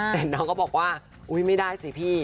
แต่น้องก็บอกว่าอุ๊ยไม่ได้สิพี่